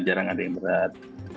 jarang ada yang berat